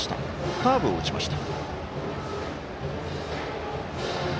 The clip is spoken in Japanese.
カーブを打ちました。